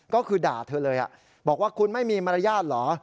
ก็คือด่าเธอเลยบอกว่าคุณไม่มีมารยาทเหรอ